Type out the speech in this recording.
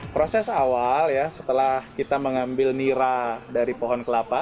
proses awal ya setelah kita mengambil nira dari pohon kelapa